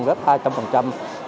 rất là nhiều